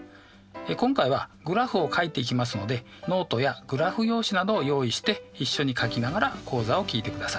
今回はグラフをかいていきますのでノートやグラフ用紙などを用意して一緒にかきながら講座を聴いてください。